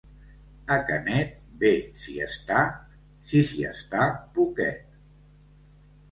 A Canet, bé s'hi està, si s'hi està poquet.